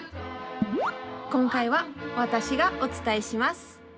今回は私がお伝えします。